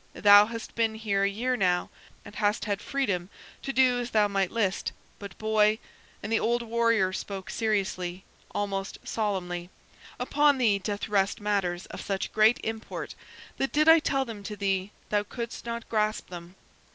Thou hast been here a year now, and hast had freedom to do as thou might list; but, boy," and the old warrior spoke seriously, almost solemnly "upon thee doth rest matters of such great import that did I tell them to thee thou couldst not grasp them.